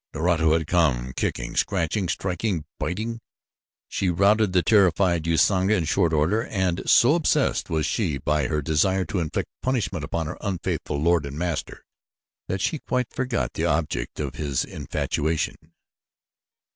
Naratu had come. Kicking, scratching, striking, biting, she routed the terrified Usanga in short order, and so obsessed was she by her desire to inflict punishment upon her unfaithful lord and master that she quite forgot the object of his infatuation.